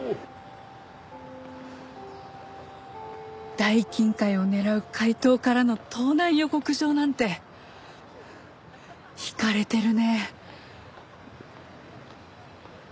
大金塊を狙う怪盗からの盗難予告状なんてイカれてるね。